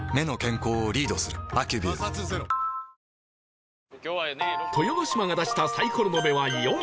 ２１豊ノ島が出したサイコロの目は「４」